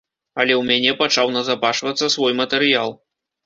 Але ў мяне пачаў назапашвацца свой матэрыял.